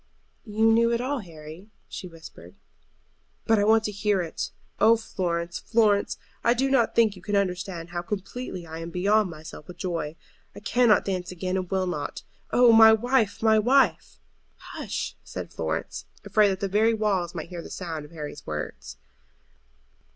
"You knew it all, Harry," she whispered. "But I want to hear it. Oh, Florence, Florence, I do not think you can understand how completely I am beyond myself with joy. I cannot dance again, and will not. Oh, my wife, my wife!" "Hush!" said Florence, afraid that the very walls might hear the sound of Harry's words.